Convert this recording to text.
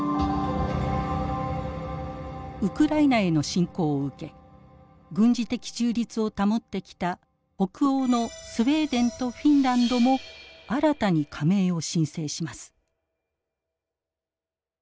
ウクライナへの侵攻を受け軍事的中立を保ってきた北欧のスウェーデンとフィンランドも新たに加盟を申請します。